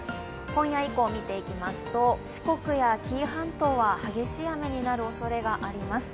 今夜以降を見ていきますと、四国や紀伊半島は激しい雨になるおそれがあります。